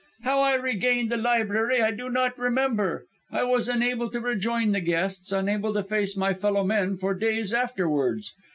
"How I regained the library I do not remember. I was unable to rejoin the guests, unable to face my fellow men for days afterwards.